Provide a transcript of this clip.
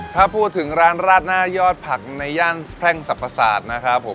ถ้าพูดถึงร้านราดหน้ายอดผักในย่านแพร่งสรรพศาสตร์นะครับผม